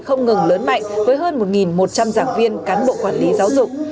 không ngừng lớn mạnh với hơn một một trăm linh giảng viên cán bộ quản lý giáo dục